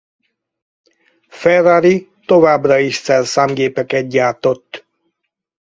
Ferrari továbbra is szerszámgépeket gyártott.